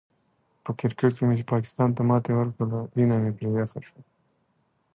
په کرکیټ کې مو چې پاکستان ته ماتې ورکړله، ینه مې پرې یخه شوله.